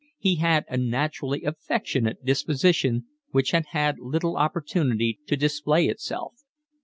He had a naturally affectionate disposition, which had had little opportunity to display itself.